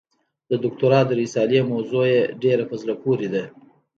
د دوکتورا د رسالې موضوع یې ډېره په زړه پورې ده.